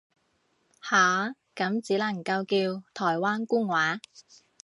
下，咁只能夠叫台灣官話